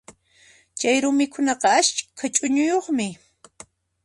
Chayru mikhunaqa askha ch'uñuyuqmi.